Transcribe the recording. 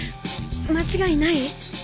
間違いない？